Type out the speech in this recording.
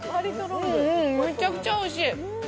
めちゃくちゃおいしい。